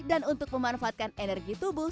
dan untuk memanfaatkan energi tubuh